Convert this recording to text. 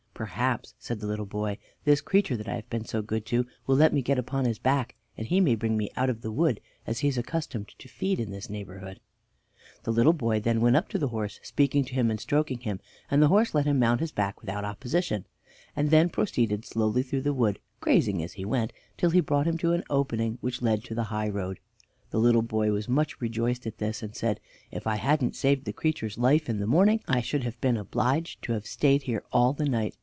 "Perhaps," said the little boy, "this creature that I have been so good to will let me get upon his back, and he may bring me out of the wood, as he is accustomed to feed in this neighborhood." The little boy then went up to the horse, speaking to him and stroking him, and the horse let him mount his back without opposition, and then proceeded slowly through the wood, grazing as he went, till he brought him to an opening which led to the high road. The little boy was much rejoiced at this and said: "If I hadn't saved the creature's life in the morning I should have been obliged to have stayed here all the night.